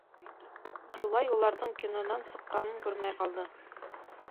Юлай уларҙың кинонан сыҡҡанын күрмәй ҡалды.